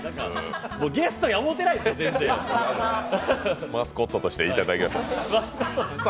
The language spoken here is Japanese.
ゲストや思てないやろ、全然マスコットとしていていただければ。